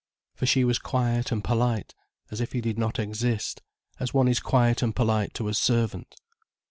For she was quiet and polite, as if he did not exist, as one is quiet and polite to a servant.